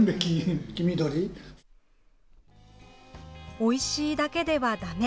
おいしいだけでは、だめ。